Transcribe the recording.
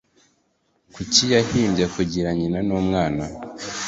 Kuki yahimbye kugira nyina n'umwana?